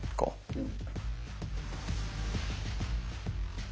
うん。